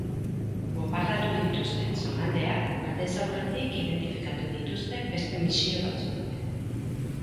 Bonbardatu dituzten zonaldeak aldez aurretik identifikatu dituzte beste misio batzuek.